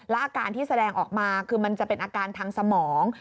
อาการที่แสดงออกมาคือมันจะเป็นอาการทางสมอง